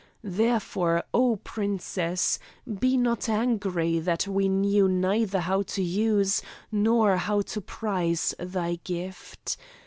Therefore, oh, princess! be not angry that we knew neither how to use nor how to prize thy gift.